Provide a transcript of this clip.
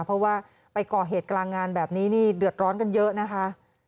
เพราะว่าไปก่อเหตุกลางงานแบบนี้นี่เดือดร้อนกันเยอะนะคะ